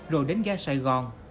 rồi đến ga sài gòn